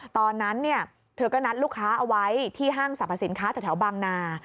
ตอนนั้นเธอก็นัดลูกค้าเอาไว้ที่ห้างสรรพสินค้าแถวบางนา